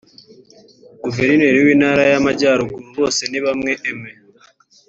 Guverineri w’Intara y’Amajyaruguru Bosenibamwe Aime